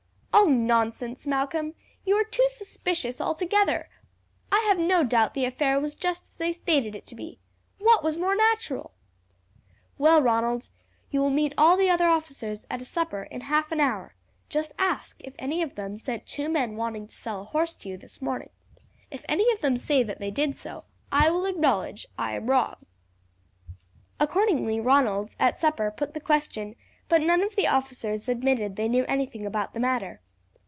"Oh, nonsense, Malcolm, you are too suspicious altogether! I have no doubt the affair was just as they stated it to be. What was more natural?" "Well, Ronald, you will meet all the other officers at supper in half an hour. Just ask if any of them sent two men wanting to sell a horse to you this morning; if any of them say that they did so, I will acknowledge I am wrong. Accordingly Ronald, at supper, put the question, but none of the officers admitted they knew anything about the matter.